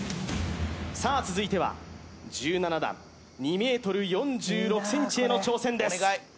さあ続いては１７段２ｍ４６ｃｍへの挑戦です